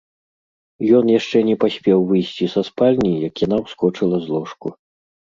Ён яшчэ не паспеў выйсці са спальні, як яна ўскочыла з ложку.